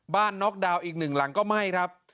น็อกดาวน์อีกหนึ่งหลังก็ไหม้ครับ